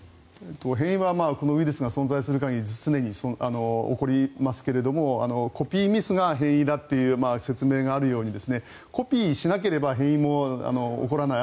変異はウイルスが存在する限り常に起こりますけれどコピーミスが変異だという説明があるようにコピーしなければ変異も起こらない。